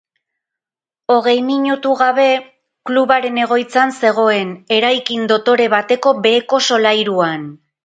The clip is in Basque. Hogei minutu gabe, klubaren egoitzan zegoen, eraikin dotore bateko beheko solairuan.